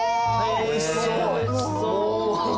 おいしそう。